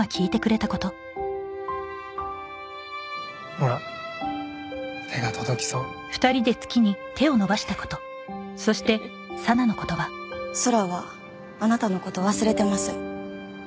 ほら手が届きそうふふっ空はあなたのこと忘れてます